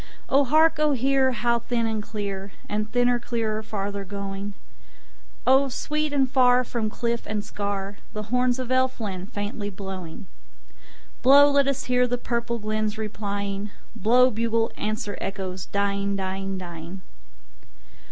O hark, O hear! how thin and clear, And thinner, clearer, farther going!O sweet and far from cliff and scarThe horns of Elfland faintly blowing! Blow, let us hear the purple glens replying:Blow, bugle; answer, echoes, dying, dying, dying.